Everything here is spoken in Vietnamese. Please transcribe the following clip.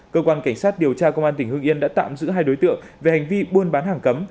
cơ quan cảnh sát điều tra công an tỉnh hương yên đã tạm giữ hai đối tượng về hành vi buôn bán hàng cấm